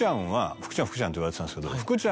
福ちゃん福ちゃんって言われてたんですけど。